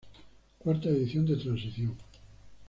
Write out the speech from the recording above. Cuarta edición de transición.